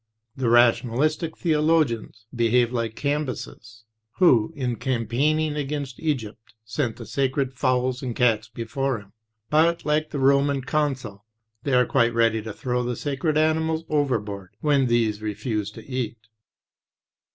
The rationalistic theolo gians behave like Cambyses, who in campaigning against Egypt sent the sacred fowls and cats before him; but, like the Roman consul, they are quite ready to throw the sacred animals overboard when these refuse to eat.